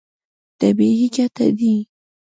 طبیعي ګټې دي.